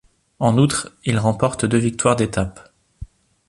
En outre, il remporte deux victoires d'étape.